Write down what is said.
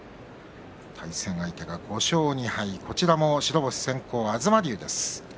対戦相手が５勝２敗こちらも白星先行の東龍です。